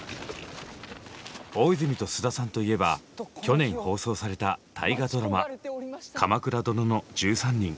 大泉と菅田さんといえば去年放送された大河ドラマ「鎌倉殿の１３人」。